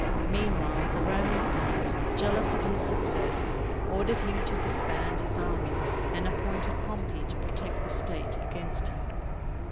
Meanwhile the Roman Senate, jealous of his suc cess, ordered him to disband his army and appointed Pompey to protect the state against him.